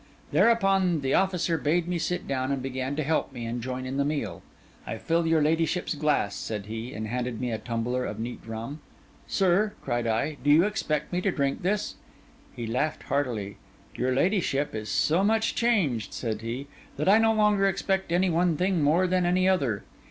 Thereupon the officer bade me sit down, and began to help me, and join in the meal. 'I fill your ladyship's glass,' said he, and handed me a tumbler of neat rum. 'Sir,' cried I, 'do you expect me to drink this?' He laughed heartily. 'Your ladyship is so much changed,' said he, 'that I no longer expect any one thing more than any other.